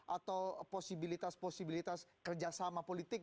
atau posibilitas posibilitas kerjasama politik